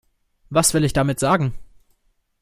Was will ich damit sagen?